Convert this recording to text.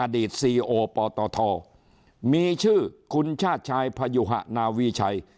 ซีโอปตทมีชื่อคุณชาติชายพยุหะนาวีชัย